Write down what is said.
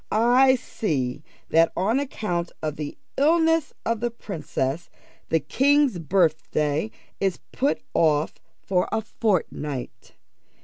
I see that, on account of the illness of the princess, the king's birthday is put off for a fortnight.